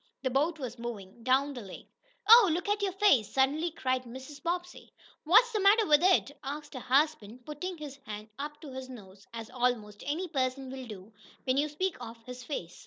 The boat was moving down the lake. "Oh, look at your face!" suddenly cried Mrs. Bobbsey. "What's the matter with it?" asked her husband, putting his hand up to his nose, as almost any person will do when you speak of his face.